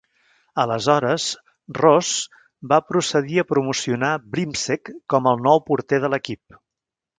Aleshores, Ross va procedir a promocionar Brimsek com el nou porter de l'equip.